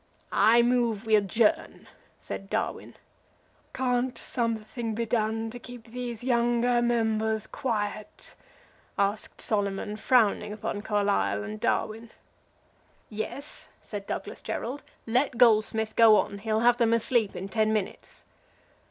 "I move we adjourn," said Darwin. "Can't something be done to keep these younger members quiet?" asked Solomon, frowning upon Carlyle and Darwin. "Yes," said Douglas Jerrold. "Let Goldsmith go on. He'll have them asleep in ten minutes."